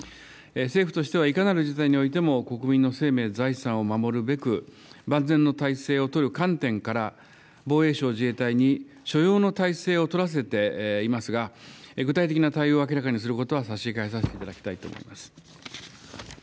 政府としてはいかなる事態においても、国民の生命、財産を守るべく、万全の態勢を取る観点から、防衛省自衛隊に所要の態勢を取らせていますが、具体的な対応を明らかにすることは差し控えさせていただきたいと思います。